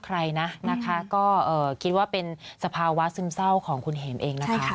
ใครนะนะคะก็คิดว่าเป็นสภาวะซึมเศร้าของคุณเห็มเองนะคะ